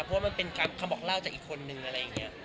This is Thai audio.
เพราะว่ามันเป็นคำบอกเล่าจากอีกคนนึงอะไรอย่างนี้